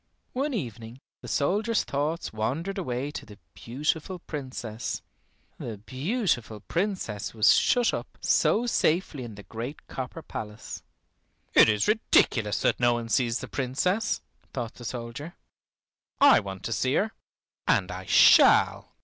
One evening the soldier's thoughts wandered away to the beautiful Princess, the beautiful Princess who was shut up so safely in the great copper palace. "It is ridiculous that no one sees the Princess," thought the soldier. "I want to see her, and I shall."